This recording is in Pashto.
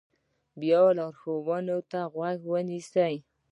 بیا لارښوونو ته غوږ نیسي.